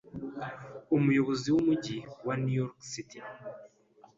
umuyobozi w'umujyi wa New York City,